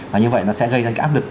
và như vậy nó sẽ gây ra cái áp lực